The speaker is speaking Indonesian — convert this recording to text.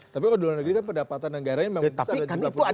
tapi kalau duluan negeri itu pendapatan negaranya memang besar